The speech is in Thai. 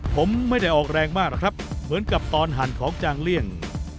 ผมไม่ได้ออกแรงมากหรอกครับเหมือนกับตอนหั่นของจางเลี่ยง